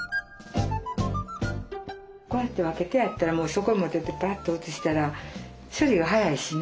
こうやって分けてあったらもうそこへ持ってってパッと移したら処理が早いしね。